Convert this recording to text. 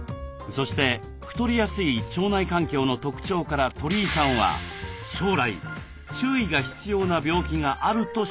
そして太りやすい腸内環境の特徴から鳥居さんは将来注意が必要な病気があると指摘。